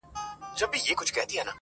د ښکاری هم حوصله پر ختمېدو وه -